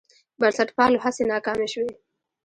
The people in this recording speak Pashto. بنسټپالو هڅې ناکامې شوې.